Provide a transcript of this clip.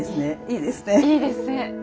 いいですね。